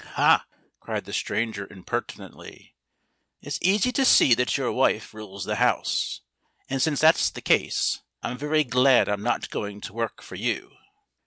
"Ha!" cried the stranger impertinently. "It's easy to see that your wife rules the house. And, since that's the case, I'm very glad I'm not going to work for you."